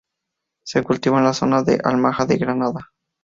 Se cultiva en la zona de Alhama de Granada.